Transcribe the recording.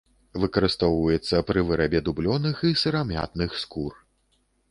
Выкарыстоўваецца пры вырабе дубленых і сырамятных скур.